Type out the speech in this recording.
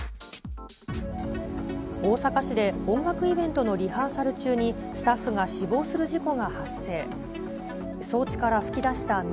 大阪市で音楽イベントのリハーサル中に、スタッフが死亡する事故